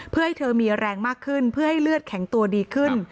เพื่อให้เธอมีแรงมากขึ้นเพื่อให้เลือดแข็งตัวดีขึ้น